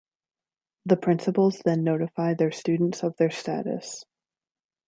The principals then notify their students of their status.